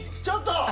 ちょっと！